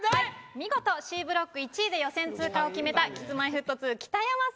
見事Ｃブロック１位で予選通過を決めたＫｉｓ−Ｍｙ−Ｆｔ２北山さん